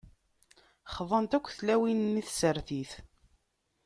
Xḍant akk tlawin-nni i tsertit.